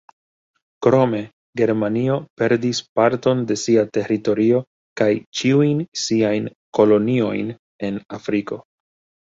Krome Germanio perdis parton de sia teritorio kaj ĉiujn siajn koloniojn en Afriko.